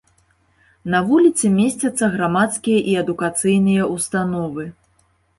На вуліцы месцяцца грамадскія і адукацыйныя ўстановы.